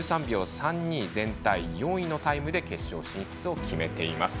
３２、全体４位のタイムで決勝進出を決めています。